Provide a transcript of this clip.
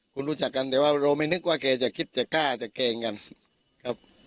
คุณรู้จักกันแต่ว่าเราไม่นึกว่าแกจะคิดจะกล้าจะเกรงกันครับ